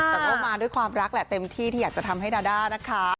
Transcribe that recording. แต่ก็มาด้วยความรักแหละเต็มที่ที่อยากจะทำให้ดาด้านะคะ